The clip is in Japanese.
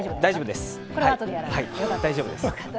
大丈夫です。